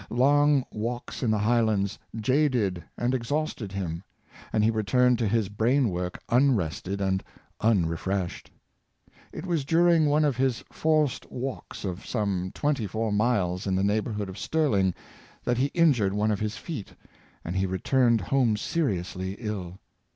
Long walks in the Highlands jaded and exhausted him, and he returned to his brain work unrested and unrefreshed. It was during one of his forced walks of some twen ty four miles in the neighborhood of Stirling that he in jured one of his feet, and he returned home seriously ill.